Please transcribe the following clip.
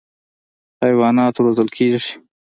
حیوانات روزل کېږي.